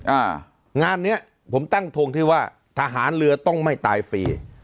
อ่างานเนี้ยผมตั้งทงที่ว่าทหารเรือต้องไม่ตายฟรี